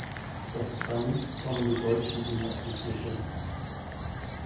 Doch dann kommen die Deutschen ihm auf die Schliche.